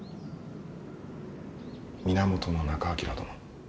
源仲章殿。